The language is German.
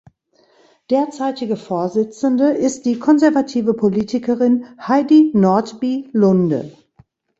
Derzeitige Vorsitzende ist die konservative Politikerin Heidi Nordby Lunde.